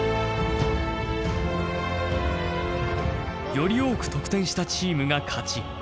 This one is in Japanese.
より多く得点したチームが勝ち。